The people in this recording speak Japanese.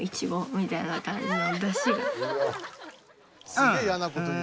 すげぇいやなこと言う。